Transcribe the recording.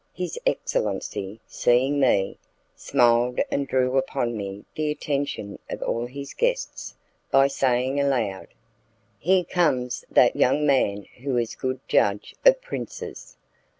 His excellency, seeing me, smiled and drew upon me the attention of all his guests by saying aloud, "Here comes the young man who is a good judge of princes."